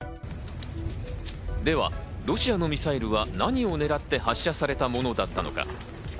では、ロシアのミサイルは何を狙って発射されたものだったのか。